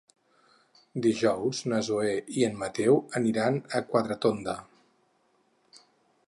Dijous na Zoè i en Mateu aniran a Quatretonda.